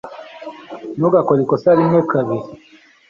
Ntugakore ikosa rimwe kabiri